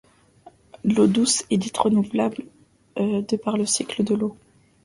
L'eau douce est dite renouvelable de par le cycle de l'eau.